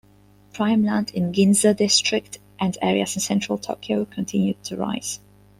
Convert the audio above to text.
Prime land in Ginza district and areas in Central Tokyo continued to rise.